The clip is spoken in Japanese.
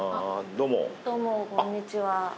どうもこんにちは。